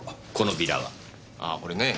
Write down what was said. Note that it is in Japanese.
ああこれね。